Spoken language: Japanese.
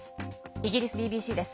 イギリスＢＢＣです。